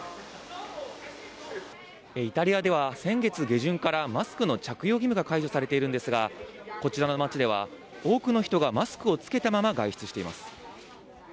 イタリアでは先月下旬から、マスクの着用義務が解除されているんですが、こちらの町では、多くの人がマスクを着けたまま外出しています。